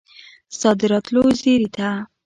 ستا د راتلو زیري ته